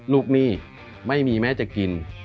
หนี้ไม่มีแม้จะกิน